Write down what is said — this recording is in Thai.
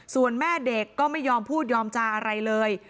ส่วนแม่เด็กก็ไม่ยอมพูดยอมจาอะไรเลย